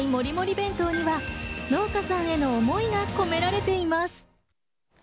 弁当には、農家さんへの思いが込められています。